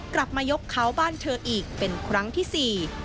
กลับมายกเขาบ้านเธออีกเป็นครั้งที่สี่